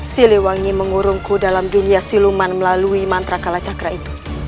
siliwangi mengurungku dalam dunia siluman melalui mantra kalacakra ini